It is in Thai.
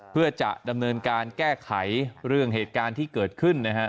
เพื่อจะดำเนินการแก้ไขเรื่องเหตุการณ์ที่เกิดขึ้นนะฮะ